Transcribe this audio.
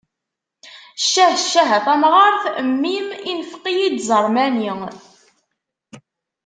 Ccah ccah a tamɣart mmi-m infeq-iyi-d ẓermani.